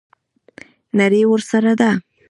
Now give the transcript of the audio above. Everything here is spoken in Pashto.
نړۍ ورسره ده.